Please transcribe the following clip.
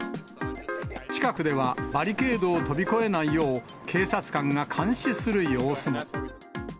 近くではバリケードを飛び越えないよう、警察官が監視する様子も。